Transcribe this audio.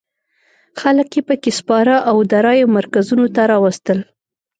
خلک یې په کې سپاره او د رایو مرکزونو ته راوستل.